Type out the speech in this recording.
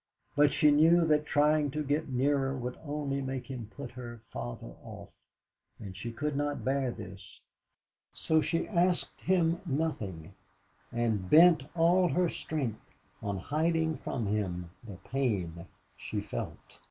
But she knew that trying to get nearer would only make him put her farther off, and she could not bear this, so she asked him nothing, and bent all her strength on hiding from him the pain she felt.